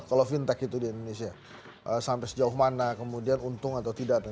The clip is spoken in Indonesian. kalau fintech itu di indonesia sampai sejauh mana kemudian untung atau tidak